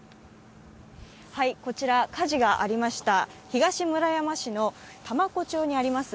こちら火事がありました東村山市の多摩湖町にあります